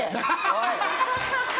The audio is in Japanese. おい！